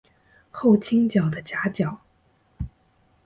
后倾角的夹角。